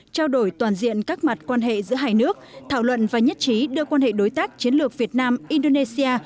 trao đổi toàn diện các mặt quan hệ giữa hai nước thảo luận và nhất trí đưa quan hệ đối tác chiến lược việt nam indonesia